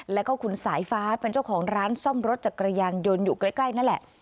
แล้วก็คุณสายฟ้าเป็นเจ้าของร้านซ่อมรถจักรยานยนต์อยู่ใกล้นั่นแหละ